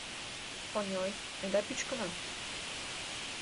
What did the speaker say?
— Оньой, айда пӱчкына.